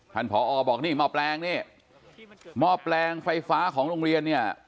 ผอบอกนี่หม้อแปลงนี่หม้อแปลงไฟฟ้าของโรงเรียนเนี่ย